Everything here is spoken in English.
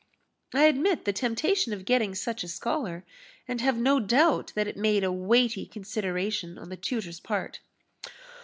"I admit the temptation of getting such a scholar, and have no doubt that it made a weighty consideration on the tutor's part."